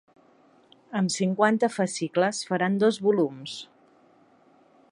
Amb cinquanta fascicles faran dos volums.